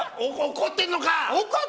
怒ってんのか？